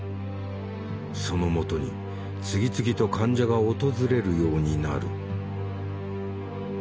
その元に次々と患者が訪れるようになる。